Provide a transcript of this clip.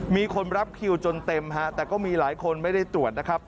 มีคนรับคิวจนเต็มฮะแต่ก็มีหลายคนไม่ได้ตรวจนะครับ